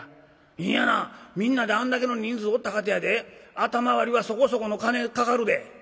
「いやなみんなであんだけの人数おったかてやで頭割りはそこそこの金かかるで」。